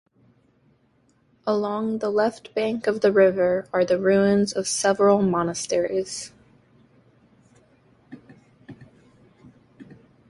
Along the left bank of the river are the ruins of several monasteries.